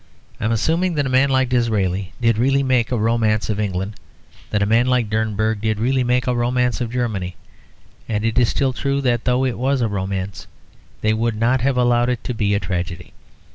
I am assuming that a man like Disraeli did really make a romance of England, that a man like Dernburg did really make a romance of Germany, and it is still true that though it was a romance, they would not have allowed it to be a tragedy.